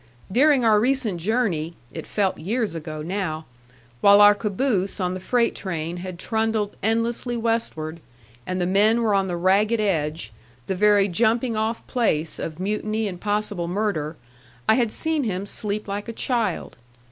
During our recent journey it felt years ago now! while our caboose on the freight train had trundled endlessly westward, and the men were on the ragged edge, the very jumping off place, of mutiny and possible murder, I had seen him sleep like a child.